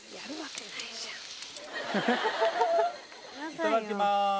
いただきます。